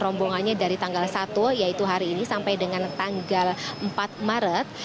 rombongannya dari tanggal satu yaitu hari ini sampai dengan tanggal empat maret